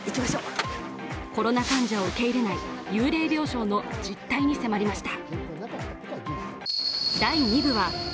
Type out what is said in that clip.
コロナ患者を受け入れない幽霊病床の実態に迫りました。